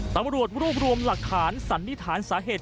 ตำรวจรวบรวมหลักฐานสันนิษฐานสาเหตุ